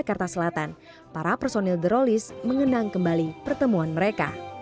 di jakarta selatan para personil drolis mengenang kembali pertemuan mereka